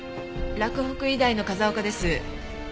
洛北医大の風丘です。